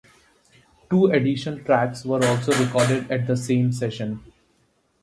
Two additional tracks were also recorded at the same session.